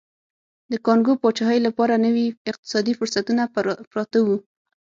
د کانګو پاچاهۍ لپاره نوي اقتصادي فرصتونه پراته وو.